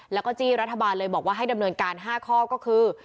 และจีรัฐบาลเลยบอกให้ดำเนินการ๕ข้อก็คือ